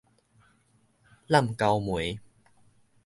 湳溝糜